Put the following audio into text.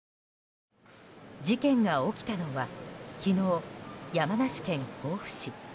事件が起きたのは昨日、山梨県甲府市。